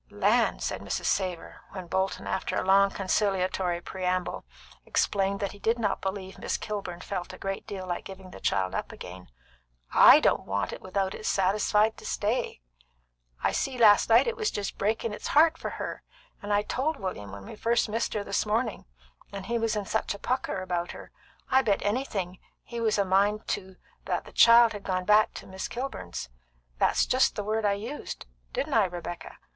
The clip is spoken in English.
"Land!" said Mrs. Savor, when Bolton, after a long conciliatory preamble, explained that he did not believe Miss Kilburn felt a great deal like giving the child up again. "I don't want it without it's satisfied to stay. I see last night it was just breakin' its heart for her, and I told William when we first missed her this mornin', and he was in such a pucker about her, I bet anything he was a mind to that the child had gone back to Miss Kilburn's. That's just the words I used; didn't I, Rebecca?